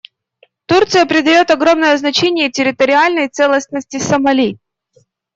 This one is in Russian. Турция придает огромное значение территориальной целостности Сомали.